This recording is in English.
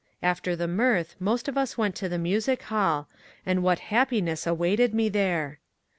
After the mirth most of us went to the Music Hall, and what hap piness awaited me there